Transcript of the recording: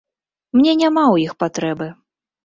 Мне няма ў іх патрэбы.